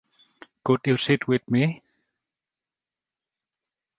Could you sit with me?